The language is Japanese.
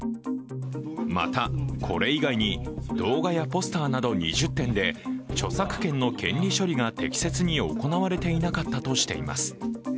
また、これ以外に動画やポスターなど２０点で著作権の権利処理が適切に行われていなかったとしています。